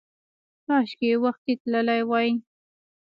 کاشکې وختي تللی وای!